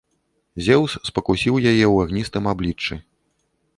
Зеўс спакусіў яе ў агністым абліччы.